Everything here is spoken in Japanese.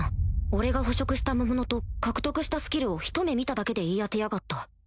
俺が捕食した魔物と獲得したスキルをひと目見ただけで言い当てやがった